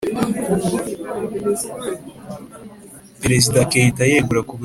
perezida keita yegura ku butegetsi bwareta